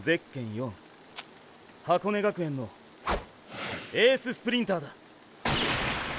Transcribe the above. ４箱根学園のエーススプリンターだ。